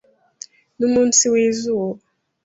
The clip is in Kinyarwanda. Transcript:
Numunsi wizuba.